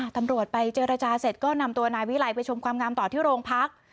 ตำรวจไปเจรจาเสร็จก็นำตัวนายวิลัยไปชมความงามต่อที่โรงพัก